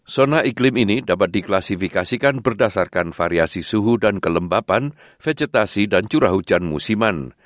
zona iklim ini dapat diklasifikasikan berdasarkan variasi suhu dan kelembapan vegetasi dan curah hujan musiman